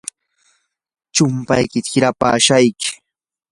chumpaykita hirapashayki.